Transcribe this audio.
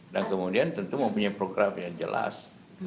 dan kemudian tentu mempunyai program yang jelas